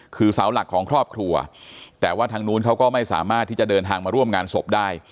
คือเสาหลักของครอบครัวแต่ว่าทางนู้นเขาก็ไม่สามารถที่จะเดินทางมาร่วมงานศพได้